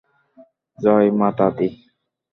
জয় মাতা দি!